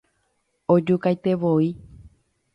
Ojukaitevoi.